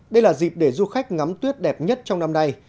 đây là dịp để du khách ngắm tuyết đẹp nhất trong năm nay